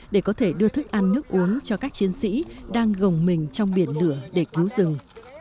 để có thể đưa thức ăn nước uống cho các chiến sĩ đang gồng mình trong biển lửa để cứu rừng